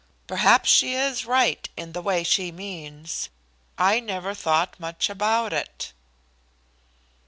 "Perhaps she is right in the way she means. I never thought much about it."